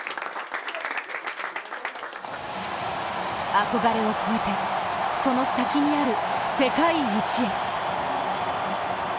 憧れを超えて、その先にある世界一へ。